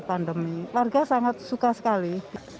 pandemi warga sangat suka sekali